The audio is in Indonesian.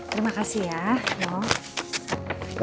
terima kasih ya